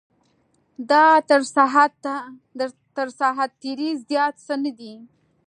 دا تر ساعت تېرۍ زیات څه نه دی.